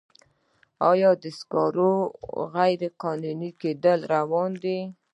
آیا د ډبرو سکرو غیرقانوني کیندنه روانه ده؟